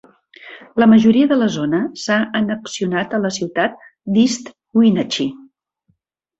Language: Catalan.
La majoria de la zona s'ha annexionat a la ciutat d'East Wenatchee.